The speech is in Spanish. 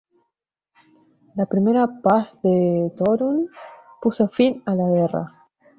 La Primera Paz de Toruń puso fin a la guerra.